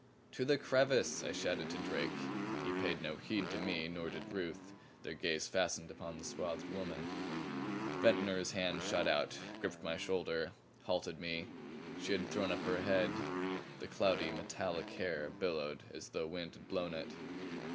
"To the crevice," I shouted to Drake. He paid no heed to me, nor did Ruth their gaze fastened upon the swathed woman. Ventnor's hand shot out, gripped my shoulder, halted me. She had thrown up her head. The cloudy METALLIC hair billowed as though wind had blown it.